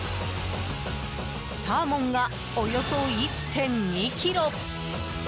サーモンがおよそ１．２ｋｇ。